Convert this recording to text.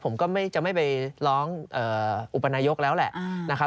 ผมก็จะไม่ไปร้องอุปนายกแล้วแหละนะครับ